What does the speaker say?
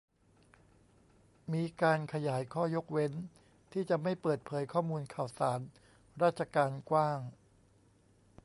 มีการขยายข้อยกเว้นที่จะไม่เปิดเผยข้อมูลข่าวสารราชการกว้าง